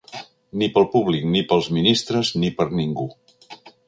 Ni pel públic ni pels ministres ni per ningú.